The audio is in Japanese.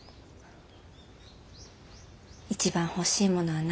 「一番欲しいものは何？」